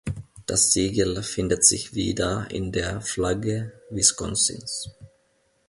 Das Siegel findet sich wieder in der Flagge Wisconsins.